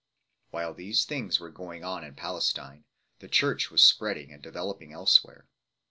While these things were going on in Palestine, the Church was spreading and developing elsewhere.